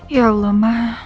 ya allah ma